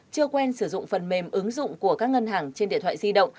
chưa quen sử dụng phần mềm ứng dụng của các ngân hàng trên điện thoại di động